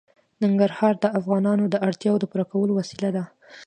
ننګرهار د افغانانو د اړتیاوو د پوره کولو وسیله ده.